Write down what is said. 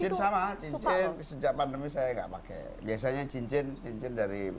cincin sama cincin sejak pandemi saya gak pakai biasanya cincin dari kiai aja sih